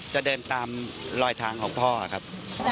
จะเดินตามรอยทางของพ่อครับ